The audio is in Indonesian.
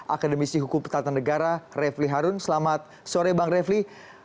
akademisi hukum tata negara refli harun selamat sore bang refli